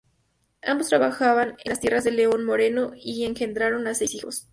Ambos trabajaban en las tierras de León Moreno y engendraron seis hijos.